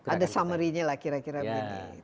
ada summary nya lah kira kira begini